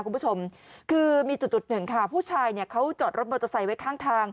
คุณผู้ชมคือมีจุดจุดหนึ่งค่ะผู้ชายเนี่ยเขาจอดรถมอเตอร์ไซค์ไว้ข้างทาง